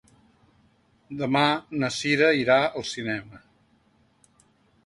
Demà na Cira irà al cinema.